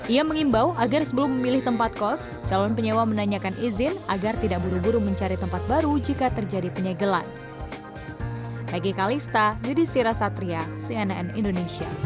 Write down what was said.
ia mengimbau agar sebelum memilih tempat kos calon penyewa menanyakan izin agar tidak buru buru mencari tempat baru jika terjadi penyegelan